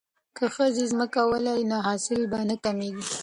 که ښځې ځمکه ولري نو حاصل به نه کمیږي.